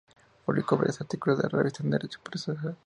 Publicó varios artículos en la Revista de Derecho Procesal.